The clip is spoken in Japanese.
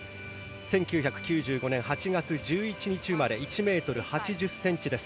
１９９５年８月１１日生まれ１ｍ８０ｃｍです。